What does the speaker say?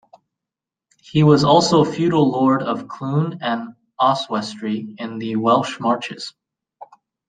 He was also feudal Lord of Clun and Oswestry in the Welsh Marches.